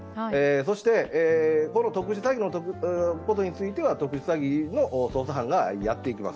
そしてこの特殊詐欺のことについては特殊詐欺の捜査班がやっていきます。